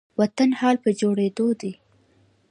وطن حال په جوړيدو دي